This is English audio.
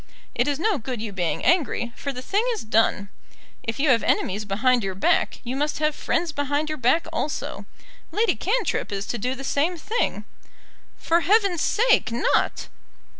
It is no good you being angry, for the thing is done. If you have enemies behind your back, you must have friends behind your back also. Lady Cantrip is to do the same thing." "For Heaven's sake, not."